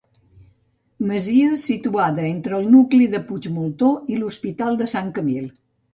Masia situada entre el nucli de Puigmoltó i l'Hospital de Sant Camil.